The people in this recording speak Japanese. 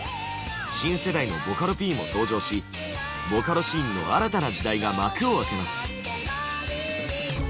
新世代のボカロＰも登場しボカロシーンの新たな時代が幕を開けます。